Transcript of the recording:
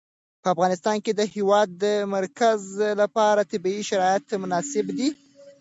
په افغانستان کې د د هېواد مرکز لپاره طبیعي شرایط مناسب دي.